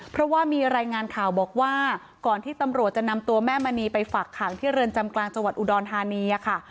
เพราะว่ามีรายงานข่าวบอกว่าก่อนที่ตำรวจจะนำตัวแม่มณีไปฝากขังที่เรือนจำกลางจังหวัดอุดรธานีค่ะ